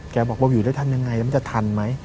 บอกว่าอยู่ได้ทันยังไงแล้วมันจะทันไหม